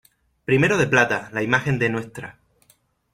Primero de plata, la imagen de Ntra.